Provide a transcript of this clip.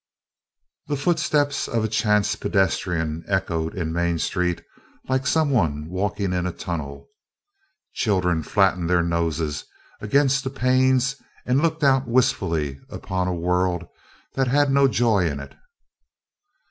The footsteps of a chance pedestrian echoed in Main Street like some one walking in a tunnel. Children flattened their noses against the panes and looked out wistfully upon a world that had no joy in it.